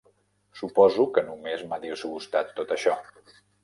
Suposo que només m'ha disgustat tot això.